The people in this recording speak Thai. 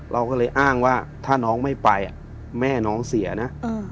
เราก็เลยอ้างว่าถ้าน้องไม่ไปแม่น้องเสียนะ